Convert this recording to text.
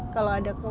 kalau ada ke